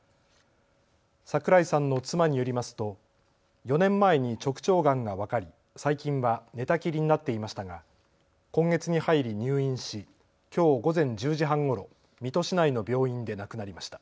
桜井さんの妻によりますと４年前に直腸がんが分かり最近は寝たきりになっていましたが、今月に入り入院し、きょう午前１０時半ごろ、水戸市内の病院で亡くなりました。